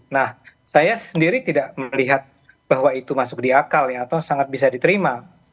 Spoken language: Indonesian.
nah saya sendiri tidak melihat bahwa itu masuk di akal ya atau sangat bisa diterima